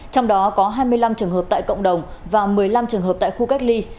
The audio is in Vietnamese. trong đó có hai mươi năm trường hợp tại cộng đồng và một mươi năm trường hợp tại khu cách ly